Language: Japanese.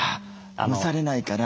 蒸されないから。